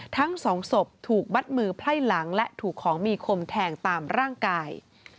ทั้งสองศพถูกมัดมือไพร่หลังและถูกของมีคมแทงตามร่างกาย